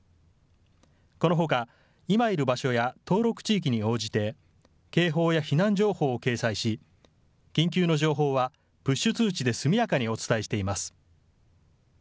このほか、今いる場所や登録地域に応じて、警報や避難情報を掲載し、緊急の情報はプッシュ通知で速やかにお伝えしています。